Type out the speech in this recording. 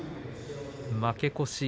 負け越し。